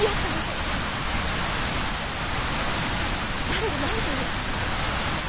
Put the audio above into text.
誰が何と言おうと。